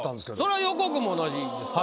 それは横尾君も同じですか？